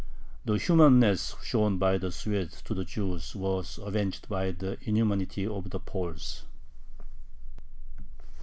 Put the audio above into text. The humaneness shown by the Swedes to the Jews was avenged by the inhumanity of the Poles.